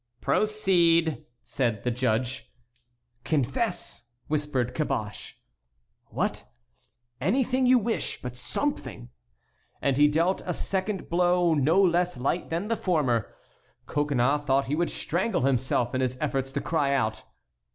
"Proceed," said the judge. "Confess," whispered Caboche. "What?" "Anything you wish, but something." And he dealt a second blow no less light than the former. Coconnas thought he would strangle himself in his efforts to cry out.